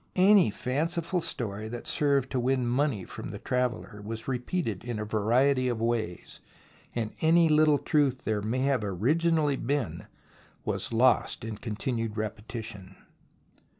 Any fanciful story that served to win money from the traveller was repeated in a variety of ways, and any little truth there may have been originally was lost in continued repetition.